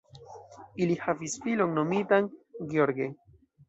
Ili havis filon nomitan Gheorghe.